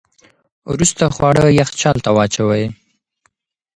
وروسته خواړه یخچال ته واچوئ.